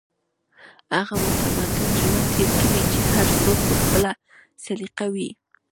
هغې متمدن ژوند تېر کړی چې هر څوک په خپله سليقه وي